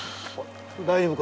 大丈夫か？